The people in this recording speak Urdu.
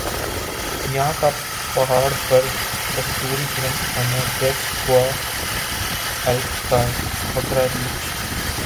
یَہاں کا پہاڑ پر کستوری ہرن آنا بیکس کوہ ایلپس کا بکرا ریچھ